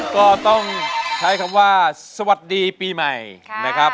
ก็ต้องใช้คำว่าสวัสดีปีใหม่นะครับ